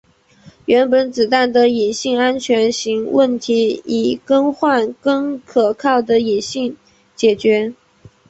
原本子弹的引信安全型问题以更换更可靠的引信解决。